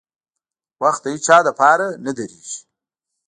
• وخت د هیڅ چا لپاره نه درېږي.